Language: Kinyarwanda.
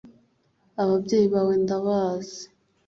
ababyeyi bawe ndabazi